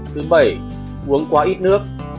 thứ bảy uống quá ít nước